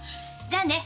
じゃあね。